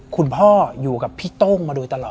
คุณพ่ออยู่กับพี่โต้งมาโดยตลอด